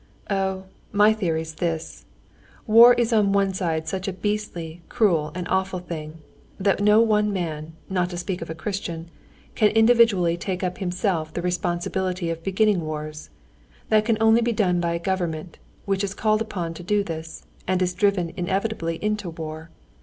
"Oh, my theory's this: war is on one side such a beastly, cruel, and awful thing, that no one man, not to speak of a Christian, can individually take upon himself the responsibility of beginning wars; that can only be done by a government, which is called upon to do this, and is driven inevitably into war.